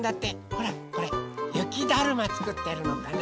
ほらこれゆきだるまつくってるのかな？